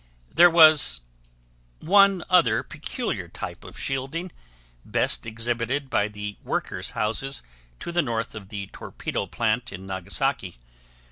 There was one other peculiar type of shielding, best exhibited by the workers' houses to the north of the torpedo plant in Nagasaki.